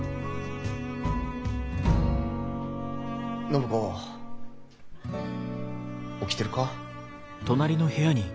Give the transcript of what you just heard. ・暢子起きてるか？